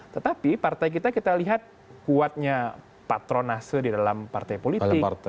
tetapi partai kita kita lihat kuatnya patronase di dalam partai politik